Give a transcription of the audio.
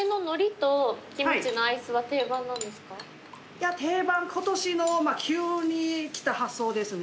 いや今年の急にきた発想ですね。